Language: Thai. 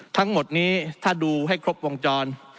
ทั้งหมดนี้ถ้าดูให้ครบวงจร